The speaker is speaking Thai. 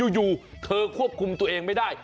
อยู่เธอควบคุมตัวเองไม่ได้